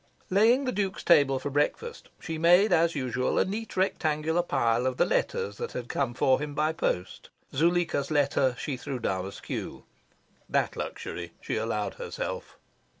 Laying the Duke's table for breakfast, she made as usual a neat rectangular pile of the letters that had come for him by post. Zuleika's letter she threw down askew. That luxury she allowed herself.